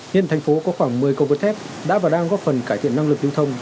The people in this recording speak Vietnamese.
hiện thành phố có khoảng một mươi cầu vượt thép đã và đang góp phần cải thiện năng lực lưu thông